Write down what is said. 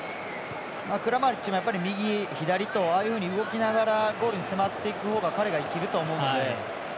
クラマリッチも右、左とああいうふうに動きながらゴールに迫っていくほうが彼が生きると思うので。